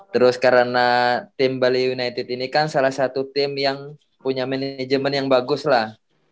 terus karena tim bali united ini kan salah satu tim yang punya manajemen yang bagus lah